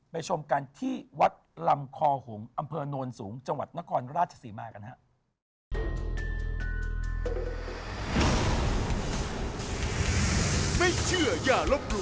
ไปชมกันที่วัดลำคอหุงอำเภอนวลสูงจังหวัดนกรราชสีมากันฮะ